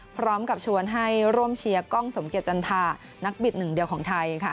พร้อมกับชวนให้ร่วมเชียร์กล้องสมเกียจจันทานักบิดหนึ่งเดียวของไทยค่ะ